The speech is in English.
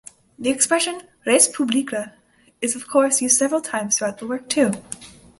The expression "res publica" is of course used several times throughout the work too.